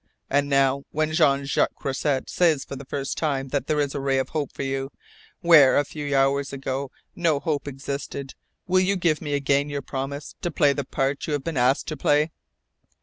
And now, when Jean Jacques Croisset says for the first time that there is a ray of hope for you, where a few hours ago no hope existed, will you give me again your promise to play the part you have been asked to play?"